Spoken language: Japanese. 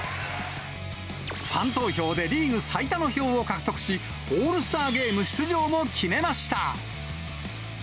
ファン投票でリーグ最多の票を獲得し、オールスターゲーム出場も決めました。